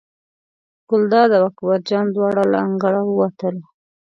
ګلداد او اکبر جان دواړه له انګړه ووتل.